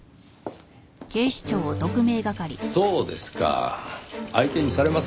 そうですか相手にされませんでしたか。